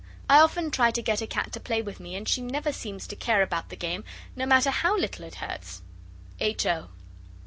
I often try to get a cat to play with me, and she never seems to care about the game, no matter how little it hurts. H. O.